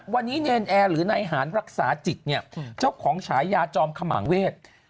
วันนี้เนรนแอร์หรือนายหารรักษาจิตเนี่ยเจ้าของฉายาจอมขมังเวศ